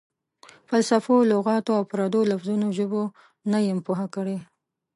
فلسفو، لغاتو او پردو لفظونو ژبو نه یم پوه کړی.